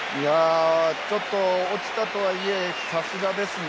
ちょっと落ちたとはいえさすがですね。